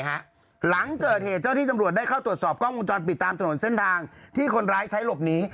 หลังเกิดเหตุเจ้าที่ตำรวจได้เข้าตรวจสอบกล้องวงจรปิดตามถนนเส้นทางที่คนร้ายใช้หลบหนี